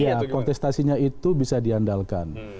iya kontestasinya itu bisa diandalkan